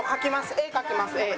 絵描きます絵。